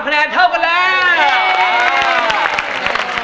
แนนเท่ากันแล้ว